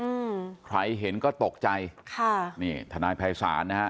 อืมใครเห็นก็ตกใจค่ะนี่ทนายภัยศาลนะฮะ